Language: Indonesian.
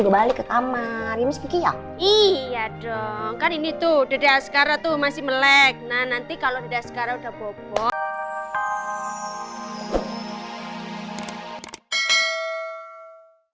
balik ke kamar iya dong kan ini tuh dede askara tuh masih melek nanti kalau udah bobo